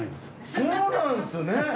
そうなんですね！